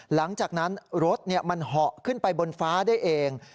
หลังจากนั้นรถมันเหาะขึ้นไปบนฟ้าได้เอง